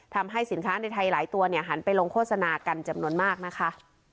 ทำให้สินค้าในไทยหลายตัวหันไปลงโฆษณากันจำนวนมากนะคะ